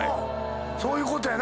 そういうことやな。